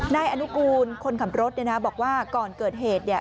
นายอนุกูลคนขับรถเนี่ยนะบอกว่าก่อนเกิดเหตุเนี่ย